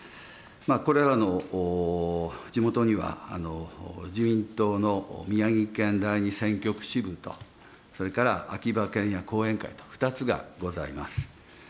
これらの地元には、自民党の宮城県第２選挙区支部と、それから秋葉賢也後援会と２つがございます。